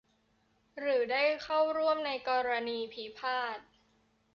หรือได้เข้าร่วมในกรณีพิพาท